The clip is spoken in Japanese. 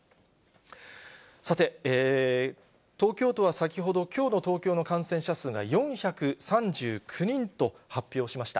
さて、東京都は先ほど、きょうの東京の感染者数が４３９人と発表しました。